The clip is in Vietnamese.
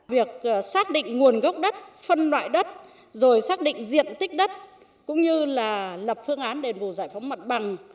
việc xác định nguồn gốc đất phân loại đất rồi xác định diện tích đất cũng như là lập phương án đền bù giải phóng mặt bằng